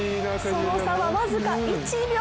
その差は僅か１秒。